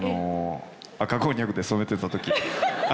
赤こんにゃくで染めてた時。